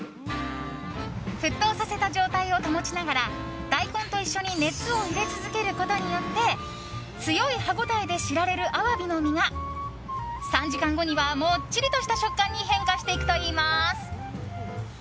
沸騰させた状態を保ちながら大根と一緒に熱を入れ続けることによって強い歯応えで知られるアワビの身が３時間後にはもっちりとした食感に変化していくといいます。